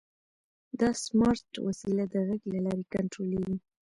دا سمارټ وسیله د غږ له لارې کنټرولېږي.